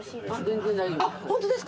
全然大丈夫です。